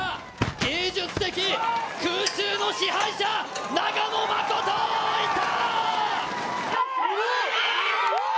芸術的、空中の支配者、長野誠、いった！